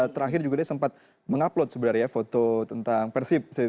terakhir juga dia sempat mengupload sebenarnya foto tentang persib